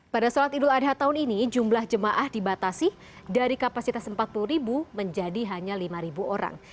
pada sholat idul adha tahun ini jumlah jemaah dibatasi dari kapasitas empat puluh ribu menjadi hanya lima orang